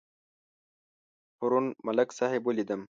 پرون ملک صاحب ولیدم.